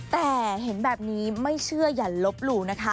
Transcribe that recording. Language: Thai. แต่เห็นแบบนี้ไม่เชื่ออย่าลบหลู่นะคะ